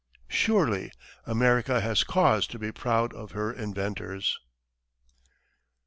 Surely, America has cause to be proud of her inventors!